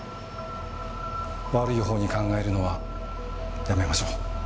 悪い方に考えるのはやめましょう。